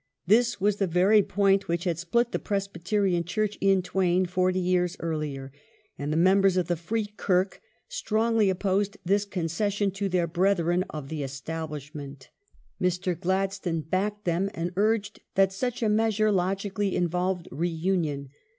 This was the very point which had split the Presbyterian Church in twain forty yeai s earlier,^ and the members of the Free Kirk strongly opposed this concession to their brethren of the Establishment. Mr. Glad stone backed them and urged that such a measure logically involved re union.